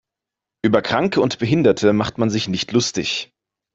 Über Kranke und Behinderte macht man sich nicht lustig.